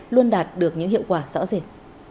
luôn đạt được những hiệu quả rõ rệt